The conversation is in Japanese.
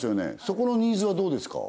そこのニーズはどうですか